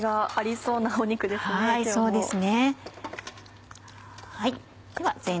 そうですね。